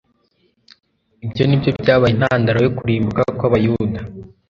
Ibyo ni byo byabaye intandaro yo kurimbuka kw'abayuda,